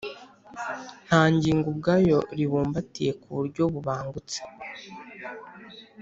nta ngingo ubwayo ribumbatiye ku buryo bubangutse